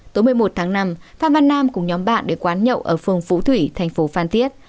tối một mươi một tháng năm phan văn nam cùng nhóm bạn đến quán nhậu ở phường phú thủy thành phố phan thiết